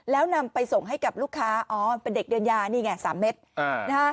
แล้วนำไปส่งให้กับลูกค้าอ๋อเป็นเด็กเดินยานี่ไง๓เม็ดนะฮะ